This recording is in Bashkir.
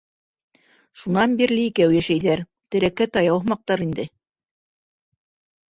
Шунан бирле икәү йәшәйҙәр, терәккә - таяу һымаҡтыр инде.